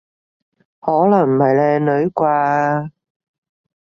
可能唔係靚女啩？